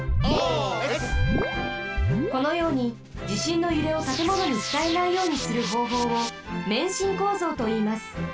このようにじしんのゆれをたてものにつたえないようにするほうほうを「免震構造」といいます。